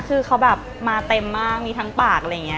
คือเขาแบบมาเต็มมากมีทั้งปากอะไรอย่างนี้